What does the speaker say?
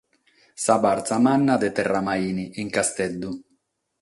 Sa bartza manna de Terramaini, in Casteddu.